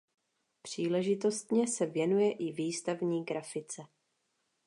Příležitostně se věnuje i výstavní grafice.